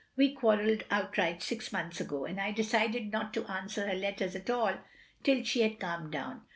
We quarrelled outright six months ago, and I decided not to answer her letters at all till she had calmed down.